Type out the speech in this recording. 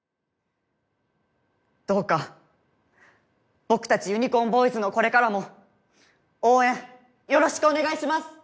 どうか僕たちユニコーンボーイズのこれからも応援よろしくお願いします。